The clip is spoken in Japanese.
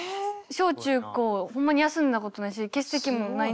小中高ホンマに休んだことないし欠席もないねん。